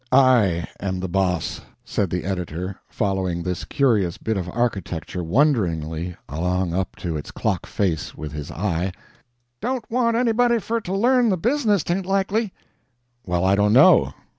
"I am the boss," said the editor, following this curious bit of architecture wonderingly along up to its clock face with his eye. "Don't want anybody fur to learn the business, 'tain't likely?" "Well, I don't know.